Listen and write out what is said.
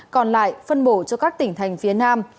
còn lại phân bổ cho các tỉnh thành phía nam